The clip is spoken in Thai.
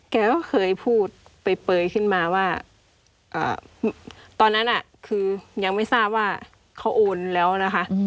แกก็เคยพูดเปลยขึ้นมาว่าตอนนั้นคือยังไม่ทราบว่าเขาโอนแล้วนะคะ